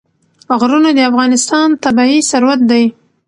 غرونه د افغانستان طبعي ثروت دی.